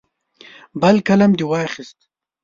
بل قلم دې واخیست.